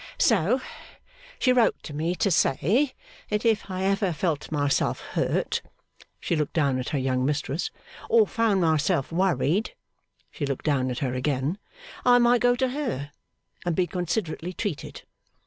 'So she wrote to me to say that if I ever felt myself hurt,' she looked down at her young mistress, 'or found myself worried,' she looked down at her again, 'I might go to her, and be considerately treated.